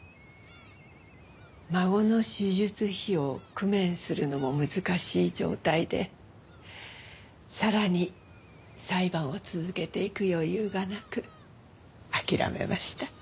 孫の手術費用を工面するのも難しい状態でさらに裁判を続けていく余裕がなく諦めました。